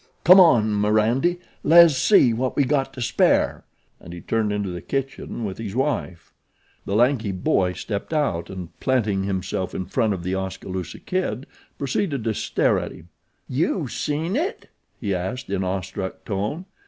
Come on M'randy, les see what we got to spare," and he turned into the kitchen with his wife. The lanky boy stepped out, and planting himself in front of The Oskaloosa Kid proceeded to stare at him. "Yew seen it?" he asked in awestruck tone.